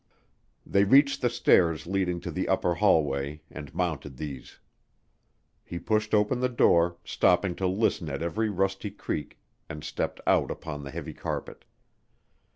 They reached the stairs leading to the upper hallway and mounted these. He pushed open the door, stopping to listen at every rusty creak, and stepped out upon the heavy carpet.